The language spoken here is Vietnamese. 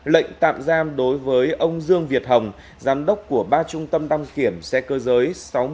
lệnh tạm giam đối với ông dương việt hồng giám đốc của ba trung tâm đăng kiểm xe cơ giới